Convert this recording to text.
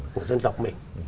của dân dọc mình